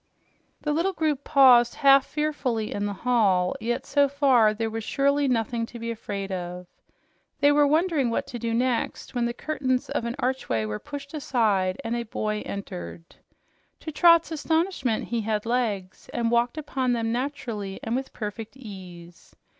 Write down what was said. The little group paused half fearfully in the hall, yet so far there was surely nothing to be afraid of. They were wondering what to do next when the curtains of an archway were pushed aside and a boy entered. To Trot's astonishment, he had legs and walked upon them naturally and with perfect ease.